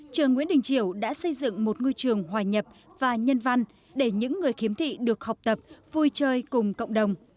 trường nguyễn đình triều đã xây dựng một ngôi trường hòa nhập và nhân văn để những người khiếm thị được học tập vui chơi cùng cộng đồng